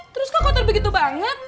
terus kok kotor begitu banget